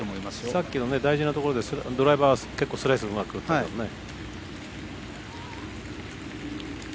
さっきの大事なところでドライバー結構スライスうまく打ってたもんね。